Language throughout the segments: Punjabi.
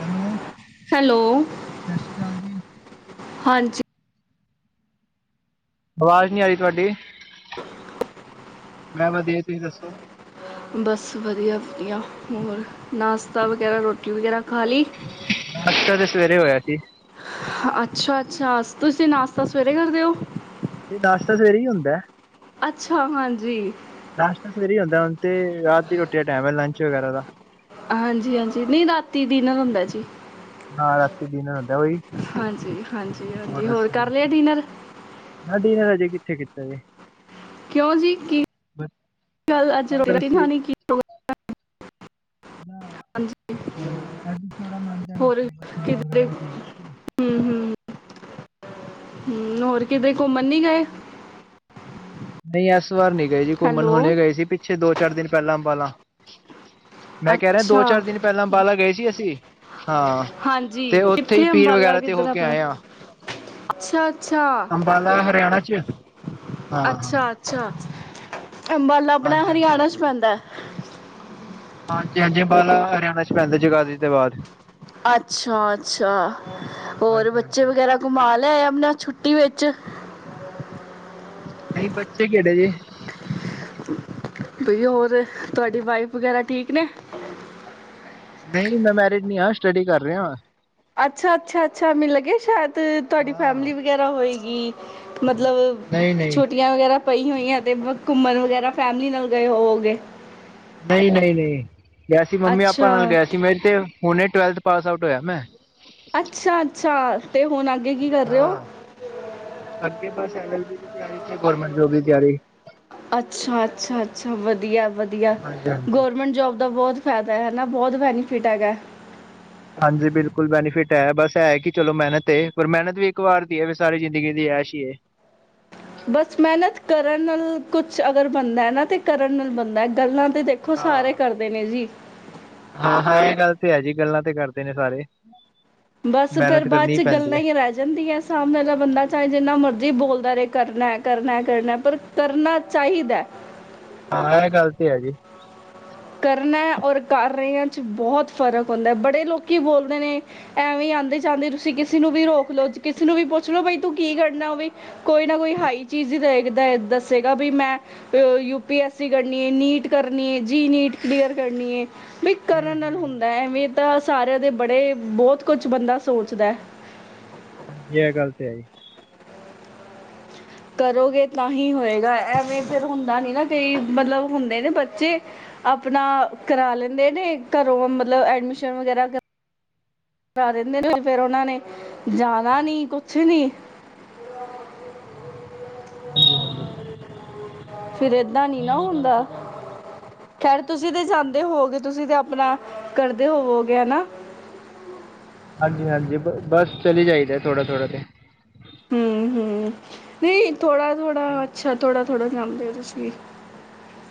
ਹੈਲੋ ਸਤਿ ਹੈਲੋ, ਸ਼੍ਰੀ ਅਕਾਲ ਜੀ। ਹਾਂਜੀ। ਆਵਾਜ਼ ਨੀ ਆਈ ਤੁਆਡੀ ਮੈ ਵਧੀਆ। ਤੁਸੀਂ ਦੱਸੋ? ਬਸ ਵਧੀਆ -ਵਧੀਆ ਹੋਰ ਨਾਸਤਾ ਵਗੈਰਾ, ਰੋਟੀ ਵਗੈਰਾ ਖਾ ਲੀ ਨਾਸ਼ਤਾ ਤੇ ਸਵੇਰੇ ਹੋਯਾ ਸੀ। ਅੱਛਾ -ਅੱਛਾ ਤੁਸੀਂ ਨਾਸਤਾ ਸਵੇਰੇ ਕਰਦੇਔ। ਨੀ ਨਾਸ਼ਤਾ ਤੇ ਸਵੇਰੇ ਈ ਹੁੰਦੈ। ਅੱਛਾ ਹਾਂਜੀ। ਨਾਸ਼ਤਾ ਸਵੇਰੇ ਈ ਹੋਂਦਾ ਹੁਣ ਤੇ ਰਾਤ ਦੀ ਰੋਟੀ ਦਾ ਟੈਮ ਐ ਲੰਚ ਵਗੈਰਾ ਦਾ ਹਾਂਜੀ -ਹਾਂਜੀ ਨੀ ਰਾਤੀ ਡਿਨਰ ਹੁੰਦਾ ਜੀ। ਹਾਂ ਰਾਤੀ ਡਿਨਰ ਹੋਂਦਾ ਔਹੀ। ਹਾਂਜੀ -ਹਾਂਜੀ -ਹਾਂਜੀ ਹੋਰ ਕਰ ਲੇਆ ਡਿਨਰ। ਨ ਡੀਨਰ ਅਜੇ ਕਿੱਥੇ ਕੀਤਾ ਜੇ ਕਿਉਂ ਜੀ ਕੀ ਬਸ [inaudible] ਗੱਲ ਅੱਜ ਰੋ ਟੀ ਵੈਸੇ ਖਾਨੀ। ਨਾ ਜੀ? ਅੱਜ ਥੋੜਾ ਮੰਨ ਜਾ ਨੀ ਹੋਰ ਸੀ, ਤਬੀਅਤ ਕਿਧਰੇ ਵਗੈਰਾ ਵੀ ਹੂੰ ਠੀਕ ਨੀ ਸੀ। ਹਮ ਹੋਰ ਕਿਤੇ ਹਾਂਜੀ। ਘੁੰਮਣ ਨੀ ਗੇ। ਨਈ ਏਸ ਵਾਰ ਨੀ ਗੇਜੀ ਘੁੰਮਣ ਹੈਲੋ ਹੁਣੇ ਗਏ ਸੀ ਪਿੱਛੇ ਦੋ ਚਾਰ ਦਿਨ ਪੈਲਾਂ ਅਬਾਲਾਂ। ਮੈਂ ਕੈ ਰੇਯਾ ਦੋ, ਅੱਛਾ ਚਾਰ ਦਿਨ ਪੈਲਾਂ ਅੰਬਾਲਾ ਗੇ ਸੀ ਅਸੀਂ। ਹਾਂ ਹਾਂਜੀ ਤੇ ਔਥੇ ਈ ਕਿੱਥੇ ਪੀਰ ਅੰਬਾਲਾ ਵਗੈਰਾ ਤੇ ਕਿੱਧਰ ਹੋ ਕੇ ਆਪਣਾ ਆਏ ਆਂ। ਅੱਛਾ -ਅੱਛਾ ਹਰਿਆਣਾ ਚ ਹਾਂ ਹਾਂ ਅੱਛਾ- ਅੱਛਾ ਅੰਬਾਲਾ ਅਪਣਾ ਹਾਂਜੀ ਹਾਂਜੀ ਹਰਿਆਣਾ ਚ ਪੈਂਦੈ- ਹਾਂਜੀ -ਹਾਂਜੀ ਅਬਾਂਲਾ ਹਰਿਆਣਾ ਚ ਪੈਂਦਾ ਜਗਾਦਰੀ ਤੋ ਬਾਅਦ ਅੱਛਾ- ਅੱਛਾ ਹੋਰ ਹਾਂਜੀ ਬੱਚੇ ਹਾਂਜੀ ਵਗੈਰਾ। ਘੁਮਾ ਲੇਆਯਾ ਅਪਨਾ ਛੁੱਟੀ ਵਿੱਚ ਨ ਈ ਬੱਚੇ ਖੇਡਦੇ ਬਈਯਾ ਹੋਰ ਤੁਹਾਡੀ ਵਾਈਫ ਵਗੈਰਾ ਠੀਕ ਨੇ ਨਈ ਮੈਂ ਮੈਰਿਡ ਨੀ ਆ ਸਟੱਡੀ ਕਰ ਰਿਆ ਅੱਛਾ -ਅੱਛਾ- ਅੱਛਾ ਮੈਨੂੰ ਲੱਗੇਯਾ ਸ਼ੈਦ ਤੁਆਡੀ ਹਾਂ ਫੈਮਿਲੀ ਵਗੈਰਾ ਹੋਏਗੀ ਮਤਲਬ ਨਈ ਨਈ ਛੁੱਟੀਆਂ ਵਗੈਰਾ ਪਈ ਹੋਈਐ ਤੇ ਘੁੰਮਣ ਵਗੈਰਾ ਫੈਮਲੀ ਨਾਲ ਗਏ ਹੋਵੋਗੇ। ਨਈ ਨਈ ਨਈ ਗੇਯਾ ਸੀ ਮੰਮੀ ਆਪਾਂ ਅੱਛਾ ਨਾਲ ਗਿਆ ਸੀ ਮੇਰੇ ਤੇ ਹੁਣੇ ਟਵੈਲਥ ਪਾਸ ਆਊਟ ਹੋਇਆ ਮੈਂ ਅੱਛਾ- ਅੱਛਾ ਤੇ ਹੁਣ ਅੱਗੇ ਕੀ ਕਰੇ ਔ ਹਾਂ ਅੱਗੇ ਬਸ ਲ ਲ ਬੀ ਦੀ ਤਿਆਰੀ ਤੇ ਗੋਰਮੈਂਟ ਜੋਬ ਦੀ ਤਿਯਾਰੀ। ਅੱਛਾ- ਅੱਛਾ- ਅੱਛਾ, ਵਧੀਆ -ਵਧੀਆ ਹਾਂਜੀ ਹਾਂਜੀ ਗੌਰਮੈਂਟ ਜੋਬ ਦਾ ਬੋਤ ਫੈਦਾ ਹੈ ਨਾ ਬੋਤ ਬੈਨੀਫਿਟ ਹੈਗਾ। ਹਾਂਜੀ ਬਿਲਕੁਲ ਬੈਨੀਫਿਟ ਹੈ ਬਸ ਐ ਕਿ ਚਲੋ ਮੈਨਤ ਏ ਪਰ ਮੈਹਨਤ ਵੀ ਇੱਕ ਵਾਰ ਦੀ ਐ ਵੀ ਸਾਰੀ ਜ਼ਿੰਦਗੀ ਦੀ ਐਸ਼ ਈ ਏ ਬਸ ਮੇਨਤ ਕਰਨ ਨਾਲ ਕੁਛ ਅਗਰ ਬਣਦਾ ਹੈ ਨਾ ਤੇ ਕਰਨ ਨਾਲ ਬਣਦਾ ਗੱਲਾਂ ਤੇ ਦੇ ਖੋ ਸਾਰੇ ਕਰਦੇ ਨੇ ਜੀ। ਹਾਂ -ਹਾਂ ਐ ਗੱਲ ਤੇ ਹੈ ਜੀ ਗੱਲਾਂ ਤੇ ਕਰਦੇ ਨੇ ਸਾਰੇ। ਬਸ ਫੇਰ ਮਿਹਨਤ ਕਰਨੀ ਹੀ ਬਾਚ ਪੈਂਦੀ ਗੱਲਾਂ ਹੈ ਈ ਰੈ ਜਾਂਦੀ ਐ ਸਾਹਮਣੇ ਵਾਲਾ ਬੰਦਾ ਚਾਹੇ ਜਿੰਨਾ ਮਰਜ਼ੀ ਬੋਲਦਾ ਰੇ ਕਰਨਾ- ਕਰਨਾ ਹੈ ਕਰਨਾ ਪਰ ਕਰਨਾ ਚਾਹੀਦੈ। ਹਾਂ ਐਹ ਗੱਲ ਤੇ ਹੈਗੀ। ਕਰਨਾ ਔਰ ਕਾਰਿਆਂ 'ਚ ਬਹੋਤ ਫਰਕ ਹੁੰਦੈ ਬੜੇ ਲੋਕੀ ਬੋਲਦੇ ਨੇ ਐਵੇਂ ਆਂਦੇ-ਜਾਂਦੇ ਤੁਸੀਂ ਕਿਸੀ ਨੂੰ ਵੀ ਰੋਕ ਲੋ, ਕਿਸੀ ਨੂੰ ਵੀ ਪੁੱਛ ਲੋੋ ਬ‌ਈ ਤੂੰ ਕੀ ਕਰਨਾ, ਉਵੀ ਕੋਈ ਨਾ ਕੋਈ ਹਾਈ ਚੀਜ਼ ਈ, ਦਹੇ ਦੇ ਦੱਸੇਗਾ ਵੀ ਮੈਂ ਤੇ ਉਹ ਯੂਪੀ ਐਸਈ ਕਰਨੀ ਏ, ਨੀਟ ਕਰਨੀ ਏ, ਜੀ ਨੀਟ ਕਲੀਅਰ ਕਰਨੀ ਏ। ਵੀ ਕਰਨ ਨਾਲ ਹੂੰ-ਹੂੰ। ਹੁੰਦਾ ਐਵੇਂ ਤਾਂ ਸਾਰਿਆਂ ਦੇ ਬੜੇ ਬਹੁਤ ਕੁੱਛ ਬੰਦਾ ਸੋਚਦਾ। ਯੇਹ ਗੱਲ ਤੇ ਹੈ ਈ। ਕਰੋਗੇ ਤਾਂਹੀ ਹੋਏਗਾ। ਐਵੇਂ ਫਿਰ ਹੁੰਦਾ ਨੀ ਨਾ, ਕਈ ਮਤਲਬ ਹੁੰਦੇ ਨੇ ਬੱਚੇ ਆਪਣਾ ਕਰਾ ਲੈਂਦੇ ਨੇ, ਘਰੋਂ ਮਤਲਬ ਐਡਮਿਸ਼ਨ ਵਗੈਰਾ ਕ ਕਰਾ ਦਿੰਦੇ ਨੇ, ਫੇਰ ਉਹਨਾਂ ਨੇ ਜਾਣਾ ਨੀ, ਕੁਛ ਨੀ। ਹਾਂਜੀ-ਹਾਂਜੀ। ਫਿਰ ਏਦਾਂ ਨੀ ਨਹੀਂ ਨਾ ਉਹ ਗੱਲ ਹੁੰਦਾ। ਤੇ ਗੱਲ ਸਹੀ। ਖ਼ੈਰ ਤੁਸੀਂ ਤੇ ਜਾਂਦੇ ਹੋਵੋਗੇ, ਤੁਸੀਂ ਤਾਂ ਆਪਣਾ ਕਰਦੇ ਹੋਵੋਗੇ ਹਨਾ। ਹਾਂਜੀ-ਹਾਂਜੀ, ਬ ਬੱਸ ਚਲੀ ਜਾਈਦਾ ਥੋੜਾ-ਥੋੜਾ ਤੇ। ਹੂੰ-ਹੂੰ, ਨਹੀਂ ਥੋੜਾ-ਥੋੜਾ ਨਹੀਂ-ਨਹੀਂ ਅੱਛਾ, ਥੋੜਾ-ਥੋੜਾ ਜਾਂਦੇ ਤੁਸੀਂ।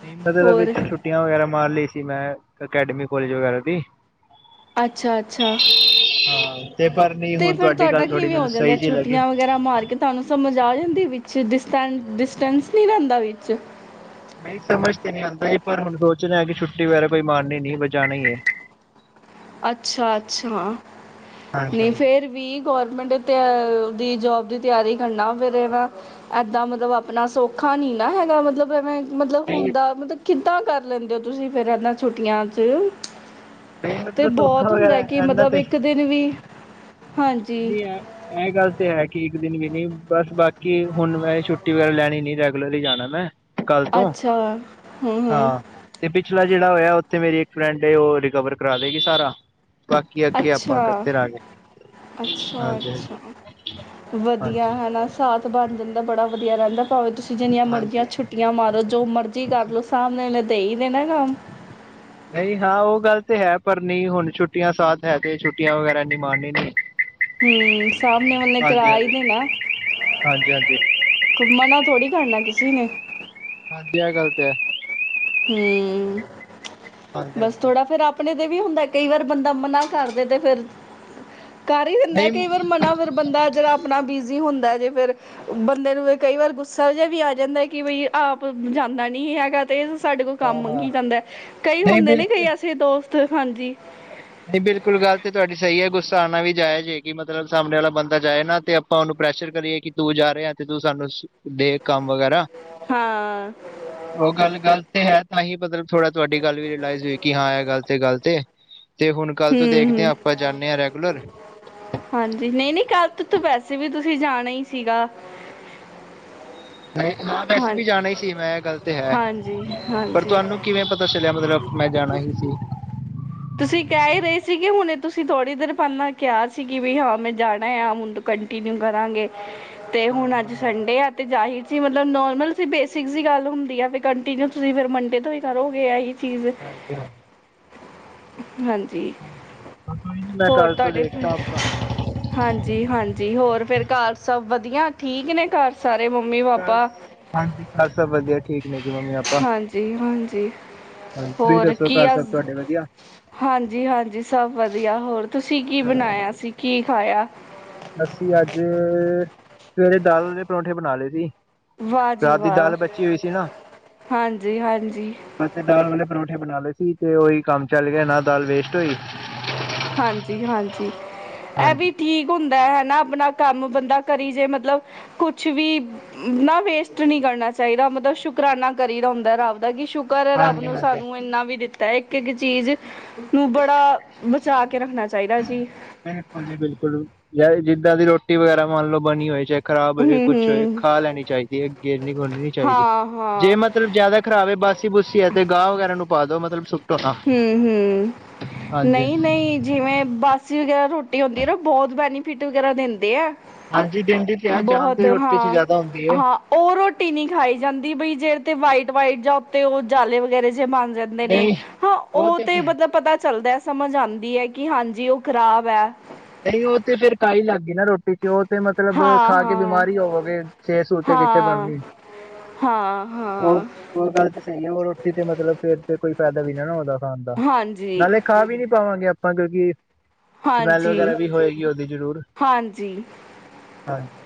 ਨਹੀਂ ਮਤਲਬ ਵਿੱਚ ਹੋਰ ਛੁੱਟੀਆਂ ਵਗੈਰਾ ਮਾਰ ਲਈ ਸੀ ਮੈਂ, ਅਕੈਡਮੀ, ਕੋਲਜ ਵਗੈਰਾ ਦੀ। ਅੱਛਾ-ਅੱਛਾ। ਹਾਂ ਤੇ ਪਰ ਨਹੀਂ ਤੇ ਹੁਣ ਫੇਰ ਤੁਹਾਡੀ ਤੁਹਾਡਾ ਗੱਲ ਥੋੜੀ ਕਿਵੇਂ ਹੋ ਮੈਨੂੰ ਜਾਂਦਾ, ਸਹੀ ਜਿਹੀ ਲੱਗੀ। ਛੁੱਟੀਆਂ ਵਗੈਰਾ ਮਾਰ ਕੇ ਤੁਹਾਨੂੰ ਸਮਝ ਆ ਜਾਂਦੀ ਵਿੱਚ ਡਿਸਟ-ਡਿਸਟੈਂਸ ਨੀ ਰਹਿੰਦਾ ਵਿੱਚ। ਨਹੀਂ ਸਮਝ ਤੇ ਨੀ ਆਉਂਦੀ, ਪਰ ਹੁਣ ਸੋਚਦਾਂ ਕਿ ਛੁੱਟੀ ਵਗੈਰਾ ਕੋਈ ਮਾਰਨੀ ਨੀ ਬ ਜਾਣਾ ਈ ਏ। [inaudible] ਅੱਛਾ-ਅੱਛਾ, ਨਹੀਂ ਹਾਂਜੀ-ਹਾਂਜੀ। ਫੇਰ ਵੀ ਗੌਰਮੈਂਟ ਤਿਆ, ਦੀ ਜੋਬ ਦੀ ਤਿਆਰੀ ਕਰਨਾ ਫਿਰ ਇਹ ਨਾ ਏਦਾਂ ਮਤਲਬ ਆਪਣਾ ਸੌਖਾ ਨੀ ਨਾ ਹੈਗਾ, ਮਤਲਬ ਐਵੇਂ ਮਤਲਬ ਨਹੀਂ-ਨਹੀਂ ਹੁੰਦਾ, ਮਤਲਬ ਕਿੱਦਾਂ ਕਰ ਲੈਂਦੇ ਓ ਤੁਸੀਂ ਫੇਰ ਇਹਨਾਂ ਛੁੱਟੀਆਂ 'ਚ ਤੇ ਮਤਲਬ ਧੋਖਾ ਬਹੁਤ ਹੁੰਦਾ ਵਗੈਰਾ ਕਿ ਇਹਨਾਂ ਮਤਲਬ ਇੱਕ ਦਿਨ ਵੀ ਹਾਂਜੀ ਦੀ ਐ। ਐਹ ਗੱਲ ਤੇ ਹੈ ਕਿ ਇੱਕ ਦਿਨ ਵੀ ਨੀ, ਬਸ ਬਾਕੀ ਹੁਣ ਮੈਂ ਛੁੱਟੀ ਵਗੈਰਾ ਲੈਣੀ ਨੀ ਰੈਗੂਲਰ ਈ ਜਾਣਾ ਮੈਂ। ਕੱਲ੍ਹ ਤੋਂ ਅੱਛਾ ਹੂੰ ਹੂੰ ਹਾਂ। ਤੇ ਪਿਛਲਾ ਜਿਹੜਾ ਹੋਇਆ ਉੱਥੇ ਮੇਰੀ ਇੱਕ ਫਰੈਂਡ ਏ, ਉਹ ਰਿਕਵਰ ਕਰਾਦੇਗੀ ਸਾਰਾ ਬਾਕੀ ਅੱਗੇ ਆਪਾਂ ਕਰਦੇ ਰਹਾਂਗੇ। ਹਾਂਜੀ ਹਾਂਜੀ ਅੱਛਾ-ਅੱਛਾ, ਵਧੀਆ ਹਾਂਜੀ ਹਨਾ ਸਾਥ ਬਣ ਜਾਂਦਾ ਬੜਾ ਵਧੀਆ ਰਹਿੰਦਾ ਭਾਵੇਂ ਤੁਸੀਂ ਜਿੰਨੀਆਂ ਮਰਜ਼ੀਆਂ ਹਾਂਜੀ ਛੁੱਟੀਆਂ ਮਾਰੋ। ਜੋ ਮਰਜ਼ ਟੀ ਕਰਲੋ, ਸਾਮਨੇ ਨੇ ਦੇ ਈ ਦੇਣਾ ਕੰਮ। ਨਹੀਂ ਹਾਂ, ਉਹ ਗੱਲ ਤੇ ਹੈ ਪਰ ਨੀ ਹੁਣ ਛੁੱਟੀਆਂ ਸਾਥ ਹੈ ਤੇ ਛੁੱਟੀਆਂ ਵਗੈਰਾ ਐਨੀ ਮਾਰਨੀ ਨਹੀਂ। ਹੂੰ, ਸਾਹਮਣੇ ਵਾਲੇ ਕਰਾ ਈ ਦੇਨਾ। ਹਾਂਜੀ-ਹਾਂਜੀ। ਕੁ ਮਨਾ ਥੋੜੀ ਕਰਨਾਂ ਕਿਸੇ ਨੇ। ਹਾਂਜੀ, ਐ ਗੱਲ ਤੇ ਐ। ਹੂੰ, ਹਾਂਜੀ ਬਸ ਹਾਂਜੀ ਥੋੜਾ ਫੇਰ ਆਪ ਆਪਣੇ ਤੇ ਵੀ ਹੁੰਦਾ। ਕਈ ਵਾਰ ਬੰਦਾ ਮਨਾ ਕਰਦੇ ਤੇ ਫਿਰ, ਕਰ ਈ ਦਿੰਦਾ ਨਹੀਂ ਕਈ ਵਾਰ ਮਨਾ ਫ ਬੰਦਾ ਜਿਹੜਾ ਆਪਣਾ ਬਿਜੀ ਹੁੰਦਾ ਜੇ ਫਿਰ ਬੰਦੇ ਨੂੰ ਫੇਰ ਕਈ ਵਾਰ ਗੁੱਸਾ ਜਹਾ ਵੀ ਆ ਜਾਂਦਾ, ਕਿ ਬਈ ਆਪ ਜਾਂਦਾ ਨਹੀਂ ਹੈਗਾ ਤੇ ਸਾਡੇ ਕੋਲ ਕੰਮ ਹਾਂ ਹਾਂ ਮੰਗੀਂ ਜਾਂਦਾ। ਕਈ ਨਹੀਂ ਹੁੰਦੇ ਨੇ ਕਈ ਬਿਲਕੁਲ ਐਸੇ ਦੋਸਤ ਹਾਂਜੀ। ਨਹੀਂ ਬਿਲਕੁਲ ਗੱਲ ਤੇ ਤੁਹਾਡੀ ਸਹੀ ਏ, ਗੁੱਸਾ ਆਉਣਾ ਵੀ ਜਾਇਜ਼ ਏ, ਕਿ ਮਤਲਬ ਸਾਹਮਣੇ ਵਾਲਾ ਬੰਦਾ ਜਾਏ ਨਾ ਤੇ ਆਪਾਂ ਉਹਨੂੰ ਪ੍ਰੈਸ਼ਰ ਕਰੀਏ, ਕਿ ਤੂੰ ਜਾ ਰਿਹਾ ਤੇ ਤੂੰ ਸਾਨੂੰ ਦੇ ਕੰਮ ਵਗੈਰਾ। ਹਾਂ ਉਹ ਗੱਲ ਗਲਤ ਏ ਤਾਂ ਹੀ ਮਤਲਬ ਥੋੜਾ ਤੁਹਾਡੀ ਗੱਲ ਵੀ ਰਿਅਲਾਈਜ਼ ਹੋਈ ਕਿ ਹਾਂ ਇਹ ਗਲ ਤੇ ਗਲਤ ਏ ਤੇ ਹੁਣ ਕੱਲ ਤੋਂ ਹੂੰ ਦੇਖਦੇ ਹਾਂ ਹੂੰ ਆਪਾਂ ਜਾਂਨੇ ਹਾਂ ਰੈਗੂਲਰ ਹਾਂਜੀ ਨਹੀਂ ਨਹੀਂ ਕੱਲ ਤੋਂ ਤਾਂ ਵੈਸੇ ਵੀ ਤੁਸੀਂ ਜਾਣਾ ਈ ਸੀਗਾ ਨਹੀਂ ਹਾਂ ਵੈਸੇ ਵੀ ਜਾਣਾ ਹੀ ਸੀ ਮੈਂ ਇਹ ਗੱਲ ਤੇ ਹੈ ਹਾਂਜੀ ਪਰ ਹਾਂਜੀ ਤੁਹਾਨੂੰ ਕਿਵੇਂ ਪਤਾ ਚੱਲਿਆ ਮਤਲਬ ਮੈਂ ਜਾਣਾ ਈ ਸੀ ਤੁਸੀਂ ਕਹਿ ਹੀ ਰਹੇ ਸੀਗੇ ਹੁਣੇ ਤੁਸੀਂ ਥੋੜ੍ਹੀ ਦੇਰ ਪਹਿਲਾਂ ਕਿਹਾ ਸੀ ਕਿ ਵੀ ਹਾਂ ਮੈਂ ਜਾਣਾ ਆ ਮੁੰ ਕੰਟੀਨਿਊ ਕਰਾਂਗੇ ਤੇ ਹੁਣ ਹਾਂ ਅੱਜ ਹਾਂ ਸੰਡੇ ਐ ਤੇ ਜਾਹਿਰ ਜੇ ਮਤਲਬ ਨੋਰਮਲ ਬੇਸਿਕਸ ਜੀ ਗੱਲ ਹੁੰਦੀ ਐ ਬਈ ਕੰਟੀਨਿਊ ਤੁਸੀਂ ਫਿਰ ਮੰਡੇ ਤੋਂ ਹੀ ਕਰੋਗੇ ਇਹੀ ਚੀਜ਼ [unintelligible] ਹਾਂਜੀ ਮੈਂ ਹੋਰ ਕੱਲ ਤੋਂ ਤੁਹਾਡੇ ਦੇਖਦਾ ਆਪਾਂ ਹਾਂਜੀ ਹਾਂਜੀ ਹੋਰ ਫੇਰ ਘਰ ਸਭ ਵਧੀਆ ਠੀਕ ਨੇ ਘਰ ਸਾਰੇ ਮੰਮੀ ਘਰ ਪਾਪਾ ਹਾਂਜੀ ਘਰ ਸਭ ਵਧੀਆ ਠੀਕ ਨੇ ਜੀ ਮੰਮੀ ਪਾਪਾ ਹਾਂਜੀ ਹਾਂਜੀ ਹਾਂਜੀ ਤੁਸੀਂ ਹੋਰ ਦੱਸੋ ਕੀ ਘਰ ਆ ਸਭ ਤੁਹਾਡੇ ਵਧੀਆ ਹਾਂਜੀ ਹਾਂਜੀ ਸਭ ਵਧੀਆ ਹੋਰ ਤੁਸੀਂ ਕੀ ਬਣਾਇਆ ਸੀ ਕੀ ਖਾਇਆ ਅਸੀਂ ਅੱਜ ਸਵੇਰੇ ਦਾਲ ਆਲੇ ਪਰੌਂਠੇ ਬਣਾ ਲਏ ਸੀ ਵਾਹ ਜੀ ਰਾਤ ਦੀ ਵਾਹ ਦਾਲ ਬਚੀ ਹੋਈ ਸੀ ਹਾਂਜੀ ਹਾਂਜੀ ਬ ਦਾਲੇ ਆਲੇ ਪਰੌਠੇ ਬਣਾ ਲਏ ਸੀ ਤੇ ਉਹੀ ਕੰਮ ਚੱਲ ਗਿਆ ਨਾ ਦਾਲ ਵੇਸਟ [unintelligible] ਹਾਂਜੀ ਹਾਂਜੀ ਇਹ ਵੀ ਹਾਂਜੀ। ਠੀਕ ਹੁੰਦੈ ਹੈਨਾ ਆਪਣਾ ਕੰਮ ਬੰਦਾ ਕਰੀ ਜੇ ਮਤਲਬ ਕੁਛ ਵੀ ਨਾ ਵੇਸਟ ਨੀ ਕਰਨਾ ਚਾਹੀਦਾ ਮਤਲਬ ਸ਼ੁਕਰਾਨਾ ਕਰੀਦਾ ਹੁੰਦੈ ਰਬ ਦਾ ਕਿ ਸ਼ੁਕ ਕਰ ਰੱਬ ਹਾਂਜੀ ਨੂੰ ਹਾਂਜੀ। ਸਾਨੂੰ ਇੰਨਾ ਵੀ ਦਿੱਤੈ ਇੱਕ ਇੱਕ ਚੀਜ਼ ਨੂੰ ਬੜਾ ਬਚਾ ਕੇ ਰੱਖਣਾ ਚਾਹੀਦਾ ਜੀ ਬਿਲਕੁਲ ਜੀ ਬਿਲਕੁਲ ਜ ਜਿੱਦਾਂ ਦੀ ਰੋਟੀ ਵਗੈਰਾ ਮੰਨ ਲੋ ਬਣੀ ਹੋਏ ਚ ਖ਼ਰਾਬ ਹੂੰ ਹੋਏ ਕੁਛ ਹੋਏ ਹੂੰ ਖਾ ਲੈਣੀ ਚਾਹੀਦੀ ਏ ਗੇਰਨੀ ਗੁਰਨੀ ਨੀ ਚਾਹੀਦੀ ਹਾਂ ਜੇ ਹਾਂ ਮਤਲਬ ਜ਼ਿਆਦਾ ਖਰਾਵੇ ਬਾਸੀ ਬੂਸੀ ਹੈ ਤੇ ਗਾਹ ਵਗੈਰਾ ਨੂੰ ਪਾ ਦੋ ਮਤਲਬ ਸੁ ਹਮ ਹਮ ਹਾਂਜੀ। ਨਹੀਂ ਨਹੀਂ ਜਿਵੇਂ ਬਾਸੀ ਵਗੈਰਾ ਰੋਟੀ ਹੁੰਦੀ ਏ ਨਾ ਬਹੁਤ ਬੈਨੀਫਿਟ ਵਗੈਰਾ ਦਿੰਦੀ ਏ। ਹਾਂਜੀ ਕਹਿੰਦੇ ਤੇ ਆ ਜਾਨ ਤੇ ਰੋਟੀ ਚ ਜਿਆਦਾ ਹੁੰਦੀ ਏ। ਹਾਂ ਉਹ ਰੋਟੀ ਨਹੀਂ ਖਾਈ ਜਾਂਦੀ ਬਈ ਜੇ ਤੇ ਵਾਈਟ ਵਾਈਟ ਜਾਂ ਉਤੇ ਉਹ ਜਾਲੇ ਵਗੈਰੇ ਜੇ ਬਣ ਜਾਂਦੇ ਨੇ ਨਹੀਂ ਹਾਂ ਉਹ ਤੇ ਮਤਲਬ ਪਤਾ ਚੱਲਦੈ ਸਮਝ ਆਂਦੀ ਏ ਕਿ ਹਾਂਜੀ ਉਹ ਖ਼ਰਾਬ ਹੈ। ਨਹੀਂ ਉਹ ਤੇ ਫੇਰ ਕਾਹੀ ਲੱਗ ਗਈ ਨਾ ਰੋਟੀ ਤੇ ਉਹ ਮਤਲਬ ਹਾਂ ਖਾ ਕੇ ਹਾਂ ਬਿਮਾਰ ਹੀ ਹੋਵੋਗੇ ਸਿਹਤ ਸੁਹਤ ਤੇ ਕਿੱਥੇ ਹਾਂ ਬਣਨੀ। ਹਾਂ ਹਾਂ ਉਹ ਗੱਲ ਤੇ ਸਹੀ ਹੈ ਉਹ ਰੋਟੀ ਤੇ ਮਤਲਬ ਫੇਰ ਤੇ ਕੋਈ ਫਾਇਦਾ ਵੀ ਨਾ ਉਹਦਾ ਖਾਣ ਦਾ ਹਾਂਜੀ ਨਾਲੇ ਖਾ ਵੀ ਨੀ ਪਾਵਾਂਗੇ ਆਪਾਂ ਕਿਉਂਕਿ ਸਮੈਲ ਹਾਂਜੀ ਵਗੈਰਾ ਵੀ ਹੋਏਗੀ ਉਹਦੀ ਜ਼ਰੂਰ ਹਾਂਜੀ ਹਾਂਜੀ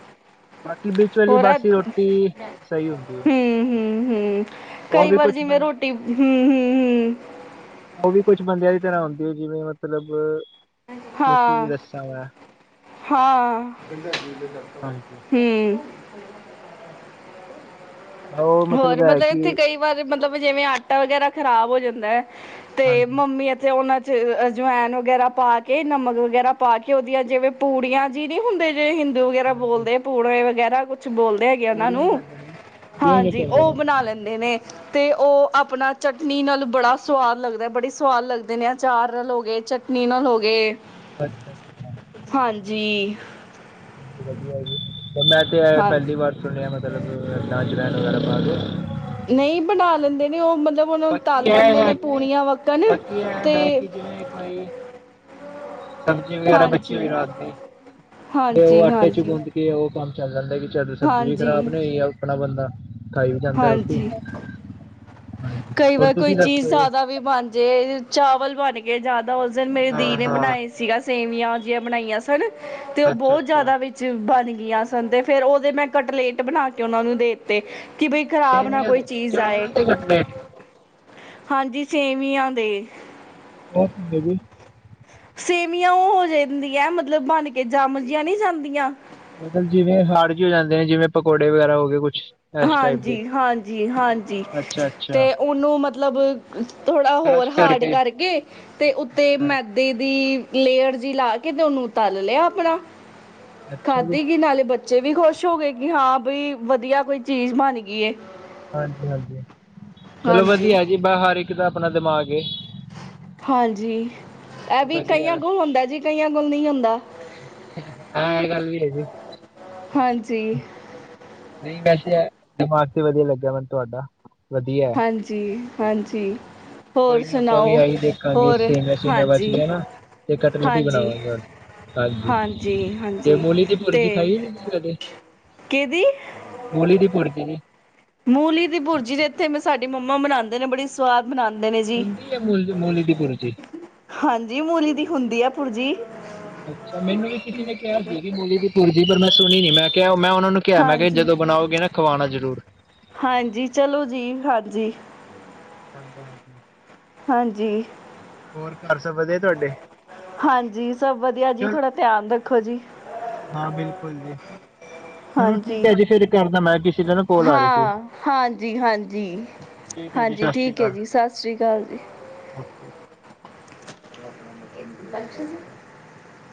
ਬਾਕੀ ਵਿੱਚ ਵਾਲੀ ਹੋਰ ਹਮ ਬਾਸੀ ਰੋਟੀ ਸਹੀ ਹੁੰਦੀ ਏ ਹਮ ਹਮ ਉਹ ਕਈ ਵੀ ਵਾਰ ਕੁਛ ਜਿਵੇਂ ਬੰ ਰੋਟੀ ਹਮ ਹਮ ਹਮ ਉਹ ਵੀ ਕੁੱਛ ਬੰਦਿਆਂ ਦੀ ਤਰ੍ਹਾਂ ਹੁੰਦੀ ਏ ਜਿਵੇਂ ਮਤਲਬ ਮੈਂ ਕੀ ਹਾਂ ਦੱਸਾਂ ਮੈਂ ਹਾਂ ਹਾਂਜੀ ਤੇ ਉਹ ਹੋਰ ਹੈ ਮਤਲਬ ਕਿ ਇੱਥੇ ਕਈ ਵ ਮਤਲਬ ਜਿਵੇਂ ਆਟਾ ਵਗੈਰਾ ਖ਼ਰਾਬ ਹੋ ਜਾਂਦਾ ਹੈ ਤੇ ਹਾਂਜੀ ਮੰਮੀ ਇੱਥੇ ਉਹਨਾਂ ਅਜਵਾਇਨ ਵਗੈਰਾ ਪਾ ਕੇ ਨਮਕ ਵਗੈਰਾ ਪਾ ਕੇ ਉਹਦੀਆਂ ਜਿਵੇਂ ਪੂੜੀਆਂ ਜੀ ਨਹੀਂ ਹੁੰਦੇ ਹਿੰਦੂ ਵਗੈਰਾ ਬੋਲਦੇ ਪੂੜੇ ਵਗੈਰਾ ਕੁੱਛ ਬੋਲਦੇ ਆ ੜੀਆਂ ਕਰਦੇ ਨੇ ਪੂੜੀਆਂ ਹੀ ਹਾਂਜੀ ਕਹਿੰਦੇ ਉਹ ਨੇ ਬਣਾ ਲੈਂਦੇ ਨੇ ਤੇ ਉਹ ਆਪਣਾ ਚਟਨੀ ਨਾਲ ਬੜਾ ਸਵਾਦ ਲੱਗਦਾ ਬੜੀ ਸਵਾਦ ਲੱਗਦੇ ਨੇ ਅਚਾਰ ਹੋ ਗਏ ਚ ਨੀਨੋਲ ਗਏ ਅੱਛਾ ਅੱਛਾ ਹਾਂਜੀ ਚਲੋ ਵਧੀਆ ਜੀ ਮੈਂ ਤੇ ਹਾਂ ਪੈਲੀ ਵਾਰ ਸੁਣਿਆ ਮਤਲਬਾਂਜਵਾੈਨ ਵਗੈਰਾ ਪਾ ਗਿਆ ਨਹੀਂ ਬਣਾ ਲੈਂਦੇ ਨੇ ਉਹ ਮਤਲਬ ਉਹਨੂੰ ਬਾਕੀ ਤਲ ਇਹ ਲੈਂਦੇ ਹੈ ਨੇ ਕਿ ਪੂੜੀਆਂ ਵੱਕਣ ਬਾਕੀ ਇਹ ਤੇ ਹੈ ਕਿ ਜਿਵੇਂ ਕੋਈ ਸਬਜ਼ੀ ਵਗੈਰਾ ਬੱਚੀ ਹਾਂਜੀ ਵੀ ਰਾਤਦੀ ਤੇ ਉਹ ਹਾਂਜੀ ਆਟੇ ਹਾਂਜੀ ਗੁੰਨ ਦੀ ਕਿ ਉਹ ਕੰਮ ਚੱਲ ਜਾਂਦਾ ਕਿ ਚੱਲ ਸਬਜ਼ੀ ਵੀ ਹਾਂਜੀ ਖ਼ਰਾਬ ਨ ਹੋਈ ਆ ਆਪਣਾ ਬੰਦਾ ਖਾਈ ਵੀ ਜਾਂਦਾ ਰੋਟੀ ਹਾਂਜੀ ਹਾਂਜੀ ਕਈ ਹੋਰ ਵਾਰ ਕੋਈ ਤੁਸੀਂ ਚੀਜ਼ ਦੱਸੋ ਜੀ ਜ਼ਿਆਦਾ ਵੀ ਬਣ ਜੇ ਚਾਵਲ ਬਣ ਕੇ ਜਾਦਾ ਉਸ ਦਿਨ ਮੇਰੀ ਦੀ ਹਾਂ ਨੇ ਹਾਂ ਬਣਾਏ ਸੀਗਾ ਸੇਵੀਆਂ ਜੀਆਂ ਬਣਾਈਆਂ ਸਨ ਤੇ ਉਹ ਅੱਛਾ ਬੋਤ ਅੱਛਾ ਜ਼ਿਆਦਾ ਬਣ ਗਈਆਂ ਸਨ ਤੇ ਫੇਰ ਉਹਦੇ ਮੈਂ ਕਟਲੇਟ ਬਣਾ ਕੇ ਉਹਨਾਂ ਨੂੰ ਦੇਤੇ ਕਿ ਬਈ ਖ਼ਰਾਬ ਨਾ ਸੇਮੀਆਂ ਕੋਈ ਦੇ ਚੀਜ਼ ਜਾਏ ਚਾਵਲਾਂ ਦੇ ਕਟਲੇਟ ਹਾਂਜੀ ਸੇਵੀਆਂ ਦੇ ਓ ਜੀ ਸੇਵੀਆਂ ਉਹ ਹੋ ਜਾਂਦੀਆਂ ਮਤਲਬ ਬਣ ਕੇ ਜਾਮ ਜੀਆਂ ਨਹੀਂ ਜਾਂਦੀਆਂ ਮਤਲਬ ਜਿਵੇਂ ਹਾਡ ਕੀ ਹੋ ਜਾਂਦੇ ਨੇ ਜਿਵੇਂ ਪਕੌੜੇ ਵਗੈਰਾ ਹੋ ਗਏ ਕੁਛ ਇਸ ਟਾਈਪ ਹਾਂਜੀ ਦੇ ਹਾਂਜੀ ਹਾਂਜੀ ਅੱਛਾ ਤੇ ਅੱਛਾ ਉਹਨੂੰ ਮਤਲਬ ਥੋੜ੍ਹਾ ਹੋਰ ਹਾਰਡ ਕਰਕੇ ਅਤੇ ਉੱਤੇ ਹਾਂ ਮੈ ਦੇ ਦੀ ਲੇਅਰ ਜੀ ਲਾ ਕੇ ਤੇ ਉਹਨੂੰ ਤਲ ਲਿਆ ਆਪਣਾ ਅੱਛਾ ਜੀ ਖਾਧੀ ਗ ਨਾਲੇ ਬੱਚੇ ਵੀ ਖੁਸ਼ ਹੋ ਗਏ ਕਿ ਹਾਂ ਬਈ ਵਧੀਆ ਕੋਈ ਚੀਜ਼ ਬਣ ਗਈਏ ਹਾਂਜੀ ਹਾਂਜੀ ਚਲੋ ਹਾਂਜੀ, ਵਧੀਆ ਜੀ ਬ ਹਰ ਇੱਕ ਦਾ ਆਪਣਾ ਦਿਮਾਗ ਏ ਹਾਂਜੀ ਇਹ ਵੀ ਕਈਆਂ ਵਧੀਆ ਕੋਲ ਹੁੰਦਾ ਜੀ ਕਈਆਂ ਕੋਲ ਨਹੀਂ ਹੁੰਦਾ ਹਾਂ ਇਹ ਗੱਲ ਵੀ ਹੈ ਹਾਂਜੀ ਨਹੀਂ ਵੈਸੇ ਦਿਮਾਗ ਤੇ ਵਧੀਆ ਲੱਗਿਆ ਮੈਨੂੰ ਤੁਹਾਡਾ ਵਧੀਆ ਹੈ ਹਾਂਜੀ, ਹਾਂਜੀ ਹੋਰ ਕੋਈ ਨੀ ਆਪਾਂ ਵੀ ਸੁਣਾਓ, ਆਹੀ ਦੇਖਾਂਗੇ ਹੋਰ ਸੇਮੇ ਸੂਮੇ ਬਚ ਹਾਂਜੀ ਗਏ ਨਾ ਤੇ ਕਟਲਟ ਹੀ ਹਾਂਜੀ ਬਣਾਵਾਂਗੇ ਹੁਣ ਹਾਂਜੀ, ਤੇ ਹਾਂਜੀ ਮੂਲੀ ਦੀ ਤੇ ਭੁਰਜੀ ਖਾਈ ਨੀ ਤੁਸੀਂ ਕਦੇ ਕਿਹਦੀ? ਮੂਲੀ ਦੀ ਭੁਰਜੀ ਮੂਲੀ ਦੀ ਭੁਰਜੀ ਦੇ ਇੱਥੇ ਮ ਸਾਡੀ ਮੰਮਾ ਬਨਾਦੇ ਨੇ ਬੜੀ ਸਵਾਦ ਬਣਾਦੇ ਨੇ ਜੀ। ਹੁੰਦੀ ਹੈ ਮੂਲੀ ਮੂਲੀ ਦੀ ਭੁਰਜੀ ਹਾਂਜੀ, ਮੂਲੀ ਦੀ ਹੁੰਦੀ ਆ ਭੁਰਜੀ। ਅੱਛਾ ਮੈਨੂੰ ਵੀ ਕਿਸੇ ਨੇ ਕਿਹਾ ਸੀਗੀ ਕੀ, ਮੂਲੀ ਦੀ ਭੁਰਜੀ ਪਰ ਮੈਂ, ਸੁਣੀ ਨੀ, ਮੈਂ ਕਿਹਾ ਮੈਂ ਉਹਨਾਂ ਨੂੰ ਕਿਹਾ, ਮੈਂ ਕਿਹਾ ਹਾਂਜੀ ਜਦੋਂ ਬਣਾਓਗੇ ਨਾ ਖਵਾਣਾ ਜ਼ਰੂਰ। ਹਾਂਜੀ, ਚਲੋ ਜੀ ਹਾਂਜੀ, ਹਾਂਜੀ, ਹਾਂਜੀ, ਹਾਂਜੀ ਹੋਰ, ਘਰ ਸਭ ਵਧੀਆ ਤੁਹਾਡੇ? ਹਾਂਜੀ, ਸਭ ਵਧੀਆ ਜੀ, ਚਲ ਥੋੜ੍ਹਾ ਧਿਆਨ ਰੱਖੋ ਜੀ। ਹਾਂ, ਬਿਲਕੁਲ ਜੀ। ਚਲੋ ਠੀਕ ਹਾਂਜੀ, ਹੈ ਜੀ ਫਿਰ ਕਰਦਾ ਮੈਂ ਕਿਸੇ ਦਾ ਨਾ ਕੋਲ ਆ ਰਹੀ ਸੀ ਹਾਂ ਹਾਂਜੀ-ਹਾਂਜੀ। ਠੀਕ ਹੈ ਜੀ ਹਾਂਜੀ, ਸਤਿ ਸ਼੍ਰੀ ਠੀਕ ਏ ਅਕਾਲ ਜੀ, ਸਤਿ ਸ੍ਰੀ ਅਕਾਲ ਜੀ। ਓਕੇ